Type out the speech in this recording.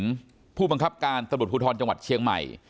ผู้บังคับการตำรวจภูทรจังหวัดเชียงใหม่